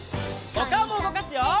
おかおもうごかすよ！